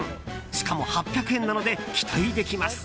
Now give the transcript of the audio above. しかも８００円なので期待できます。